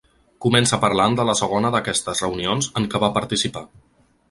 Comença parlant de la segona d’aquestes reunions en què va participar.